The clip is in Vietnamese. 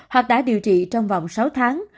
hoặc đã điều trị trong vòng sáu tháng